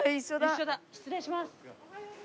失礼します。